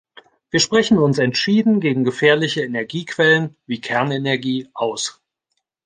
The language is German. Wir sprechen uns entschieden gegen gefährliche Energiequellen wie Kernenergie aus.